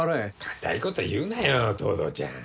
固いこと言うなよ東堂ちゃん。